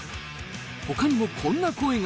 ほかにもこんな声が。